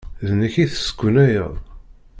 D nekk i d-teskunayeḍ?